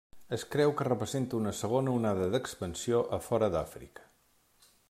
Es creu que representa una segona onada d'expansió a fora d'Àfrica.